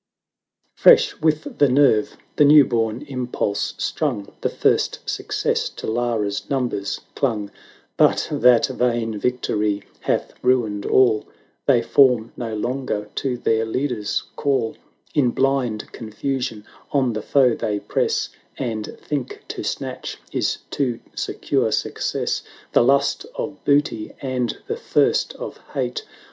XI. Fresh with the nerve the new born im pulse strung, The first success to Lara's numbers clung: 4o6 LARA [Canto ii. But that vain victory hath ruined all; They form no longer to their leader's call: 930 In blind confusion on the foe they press, And think to snatch is to secure success. The lust of booty, and the thirst of hate.